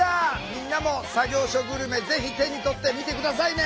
みんなも作業所グルメぜひ手に取ってみて下さいね。